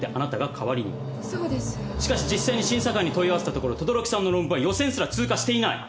しかし実際に審査会に問い合わせたところ等々力さんの論文は予選すら通過していない。